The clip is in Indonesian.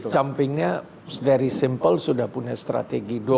kalau saya jumpingnya very simple sudah punya strategi